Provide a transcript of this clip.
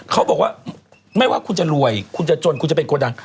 เขาบอกว่าไม่ว่าคุณจะรวยคุณจะจนคุณจะเป็นโกดัง